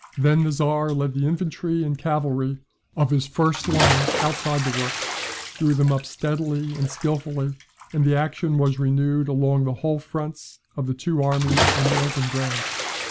Then the Czar led the infantry and cavalry of his first line outside the works, drew them up steadily and skilfully, and the action was renewed along the whole fronts of the two armies on the open ground.